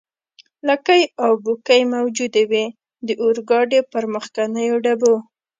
لکۍ او بوکۍ موجودې وې، د اورګاډي پر مخکنیو ډبو.